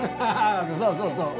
そうそうそう。